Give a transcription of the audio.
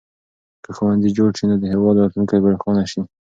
که ښوونځي جوړ شي نو د هېواد راتلونکی به روښانه شي.